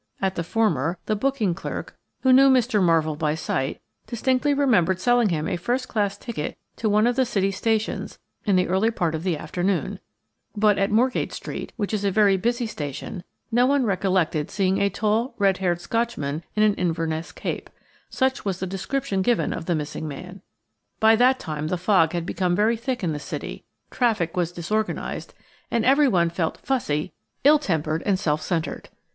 At the former, the booking clerk, who knew Mr. Marvell by sight, distinctly remembered selling him a first class ticket to one of the City stations in the early part of the afternoon; but at Moorgate Street, which is a very busy station, no one recollected seeing a tall, red haired Scotchman in an Inverness cape–such was the description given of the missing man. By that time the fog had become very thick in the City; traffic was disorganised, and everyone felt fussy, ill tempered, and self centred.